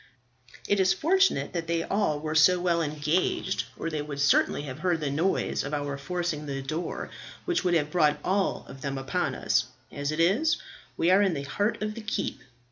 "It is fortunate that all were so well engaged, or they would certainly have heard the noise of our forcing the door, which would have brought all of them upon us. As it is, we are in the heart of the keep.